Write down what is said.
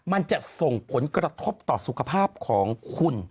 มันจะส่งผลกระทบต่อสุขภาพของคุณ